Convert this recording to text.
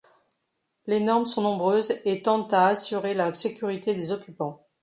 Les normes sont nombreuses et tendent à assurer la sécurité des occupants.